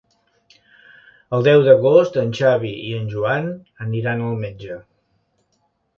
El deu d'agost en Xavi i en Joan aniran al metge.